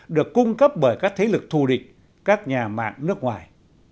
được cung cấp bởi các thế lực thù địch các nhà mạng nước ngoài